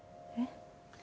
えっ？